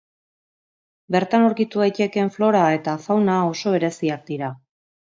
Bertan aurkitu daitekeen flora eta fauna oso bereziak dira.